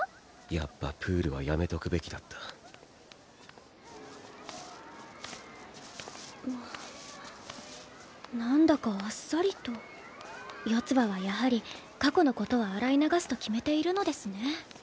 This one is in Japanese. やっぱプールはやめとくべきだった何だかあっさりと四葉はやはり過去のことは洗い流すと決めているのですね